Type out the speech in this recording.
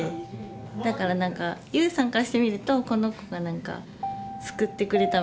だから何か悠さんからしてみるとこの子が何か救ってくれたみたいな。